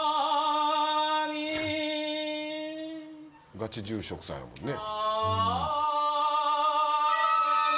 ガチ住職さんやもんね。